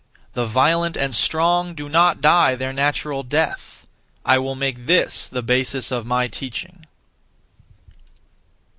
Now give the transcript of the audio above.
The violent and strong do not die their natural death. I will make this the basis of my teaching.